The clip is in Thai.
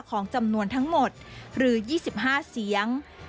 ของจำนวนทั้งหมดหรือ๒๕เสียง